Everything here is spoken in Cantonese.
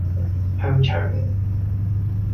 香腸